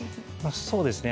そうですね。